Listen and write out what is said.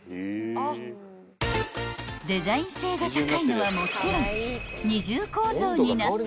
［デザイン性が高いのはもちろん］